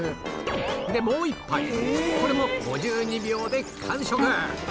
で、もう１杯、これも５２秒で完食。